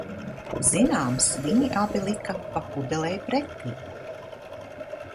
Zināms, viņi abi lika pa pudelei pretī.